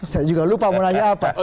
saya juga lupa mau nanya apa